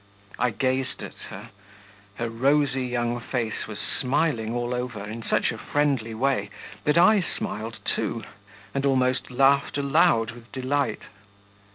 I gazed at her; her rosy young face was smiling all over in such a friendly way that I smiled too, and almost laughed aloud with delight.